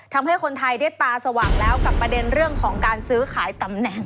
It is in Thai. ทำให้คนไทยได้ตาสว่างแล้วกับประเด็นเรื่องของการซื้อขายตำแหน่ง